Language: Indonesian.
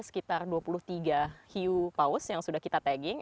sekitar dua puluh tiga hiu paus yang sudah kita tagging